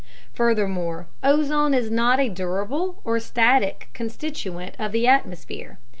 Furthermore, ozone is not a durable or static constituent of the atmosphere.